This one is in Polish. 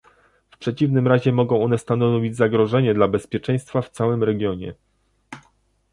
W przeciwnym razie mogą one stanowić zagrożenie dla bezpieczeństwa w całym regionie